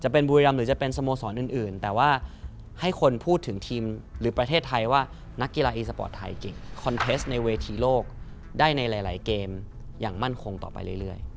เป็นเทสต์ในเวทีโลกได้ในหลายเกมอย่างมั่นคงต่อไปเรื่อย